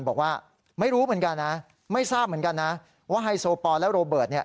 บอกว่าไม่รู้เหมือนกันนะไม่ทราบเหมือนกันนะว่าไฮโซปอลและโรเบิร์ตเนี่ย